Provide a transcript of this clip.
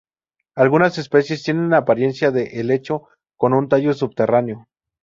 Algunas especies tienen apariencia de helecho con un tallo subterráneo.